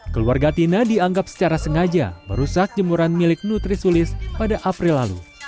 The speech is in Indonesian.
keluarga tina dianggap secara sengaja merusak jemuran milik nutri sulis pada april lalu